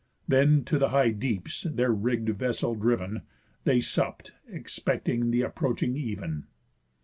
Then to the high deeps their rigg'd vessel driven, They supp'd, expecting the approaching even.